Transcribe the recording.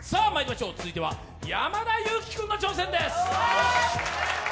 続いては山田裕貴君の挑戦です。